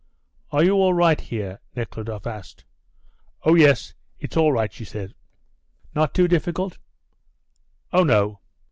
"Are you all right here?" Nekhludoff asked. "Oh, yes, it's all right," she said. "Not too difficult?" "Oh, no.